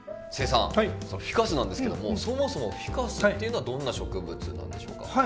フィカスなんですけどもそもそもフィカスというのはどんな植物なんでしょうか？